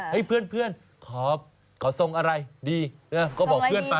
เพื่อนขอทรงอะไรดีก็บอกเพื่อนไป